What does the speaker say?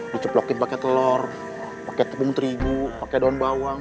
diceplokin pake telor pake tepung terigu pake daun bawang